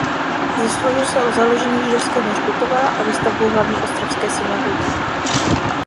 Zasloužil se o založení židovského hřbitova a výstavbu hlavní ostravské synagogy.